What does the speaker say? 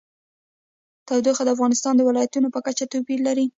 تودوخه د افغانستان د ولایاتو په کچه توپیر لري.